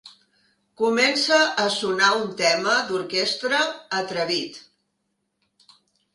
Comença a sonar un tema d'orquestra atrevit.